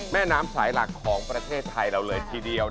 แม่น้ำสายหลักของประเทศไทยเราเลยทีเดียว